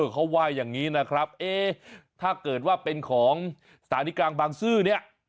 เขาว่าอย่างนี้นะครับเอ๊ะถ้าเกิดว่าเป็นของสถานีกลางบางซื่อเนี่ย